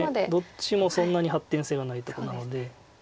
どっちもそんなに発展性がないとこなので。